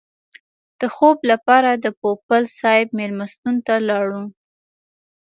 د خوب لپاره د پوپل صاحب مېلمستون ته لاړو.